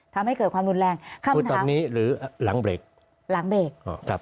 ทำให้เกิดความรุนแรงคือตอนนี้หรือหลังเบรกหลังเบรกอ๋อครับ